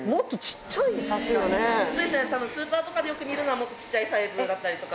たぶんスーパーとかでよく見るのは、もっとちっちゃいサイズだったりとか。